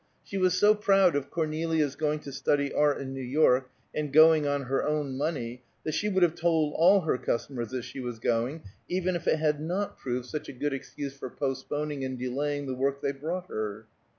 She was so proud of Cornelia's going to study art in New York, and going on her own money, that she would have told all her customers that she was going, even if it had not proved such a good excuse for postponing and delaying the work they brought her.